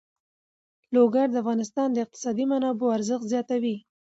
لوگر د افغانستان د اقتصادي منابعو ارزښت زیاتوي.